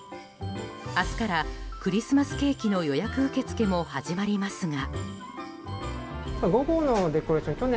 明日からクリスマスケーキの予約受け付けも始まりますが。